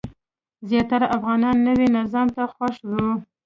زیاتره افغانان نوي نظام ته خوښ وو.